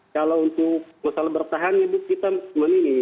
kalau untuk masalah bertahan ibu kita menunggu ini